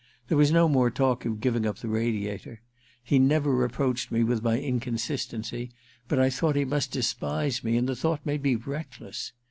There was no more talk of giving up the Radiator. He never reproached me with my inconsistency, but I thought he must despise me, and the thought made me reckless.